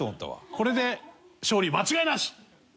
これで勝利間違いなし！